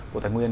bộ tài nguyên